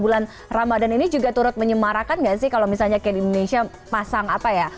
bulan ramadhan ini juga turut menyemarakan nggak sih kalau misalnya kayak di indonesia pasang apa ya